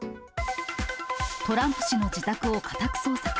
トランプ氏の自宅を家宅捜索。